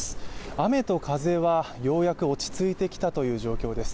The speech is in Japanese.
雨と風はようやく落ち着いてきたという状況です。